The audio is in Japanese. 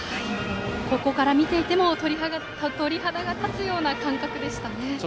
ここから見ていても鳥肌が立つような感覚でした。